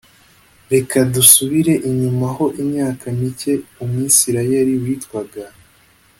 Reka dusubire inyuma ho imyaka mike umwisirayeli witwaga